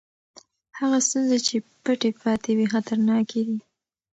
هغه ستونزې چې پټې پاتې وي خطرناکې دي.